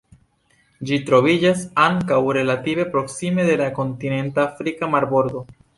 Ĝi troviĝas ankaŭ relative proksime de la kontinenta afrika marbordo.